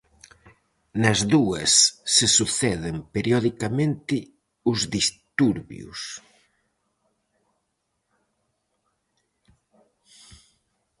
Nas dúas se suceden periodicamente os disturbios.